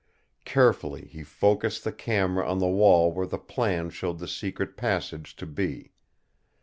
Carefully he focused the camera on the wall where the plan showed the secret passage to be.